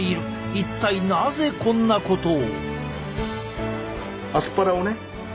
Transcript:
一体なぜこんなことを？